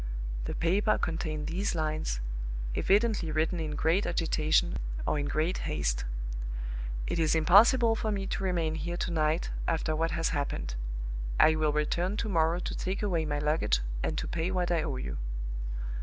The paper contained these lines, evidently written in great agitation or in great haste: "It is impossible for me to remain here to night, after what has happened. I will return to morrow to take away my luggage, and to pay what I owe you."